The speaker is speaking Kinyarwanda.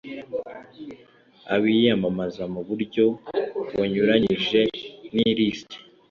abiyamamaza mu buryo bunyuranyije n list